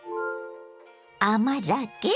甘酒？